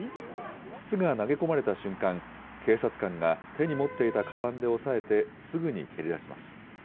筒が投げ込まれた瞬間、警察官が手に持っていたかばんで押さえて、すぐに蹴り出します。